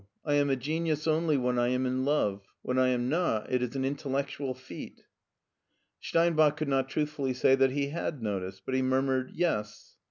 I am a genius only when I am in love. When I am not, it is an intellectual feat." Steinbach could not truthfully say that he had noticed, but he murmured " Yes."